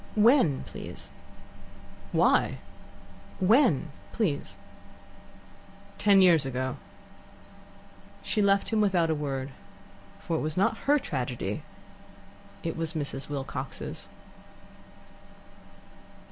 "When, please?" "Why?" "When, please?" "Ten years ago." She left him without a word. For it was not her tragedy: it was Mrs. Wilcox's.